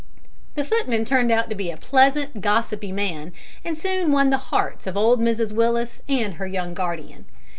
The footman turned out to be a pleasant, gossipy man, and soon won the hearts of old Mrs Willis and her young guardian.